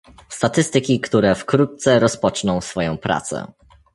Statystyki, które wkrótce rozpoczną swoją pracę